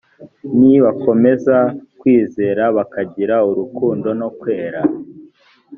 nibakomeza kwizera bakagira urukundo no kwera